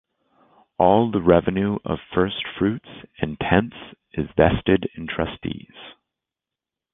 All the revenue of firstfruits and tenths is vested in trustees.